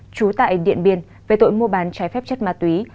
trú tại điện biên về tội mua bán trái phép chất ma túy